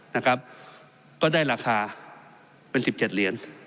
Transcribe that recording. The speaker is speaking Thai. นะครับก็ได้ราคาเป็นสิบเจ็ดเหรียญ